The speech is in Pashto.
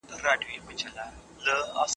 حیات الله په موسکا سره خپل لمسي ته وکتل.